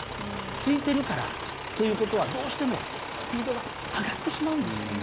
空いてるからということはどうしてもスピードが上がってしまうんですよね。